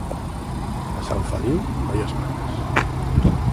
A Sant Feliu, noies maques.